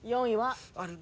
４位は？